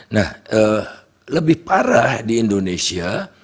nah lebih parah di indonesia